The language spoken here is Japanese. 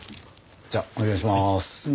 じゃあお願いします。